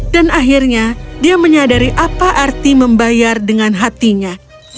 dan akhirnya dia menyadari apa arti membayar dengan hatinya